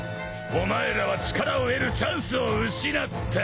お前らは力を得るチャンスを失った。